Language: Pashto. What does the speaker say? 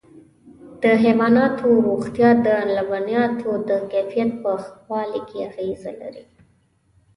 د حيواناتو روغتیا د لبنیاتو د کیفیت په ښه والي کې اغېز لري.